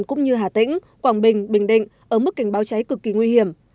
cũng như hà tĩnh quảng bình bình định ở mức cảnh báo cháy cực kỳ nguy hiểm